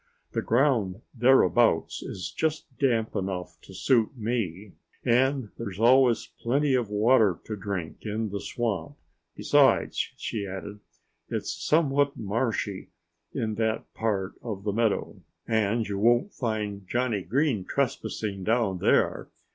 "The ground thereabouts is just damp enough to suit me. And there's always plenty of water to drink in the swamp.... Besides," she added, "it's somewhat marshy in that part of the meadow. "And you won't find Johnny Green trespassing down there.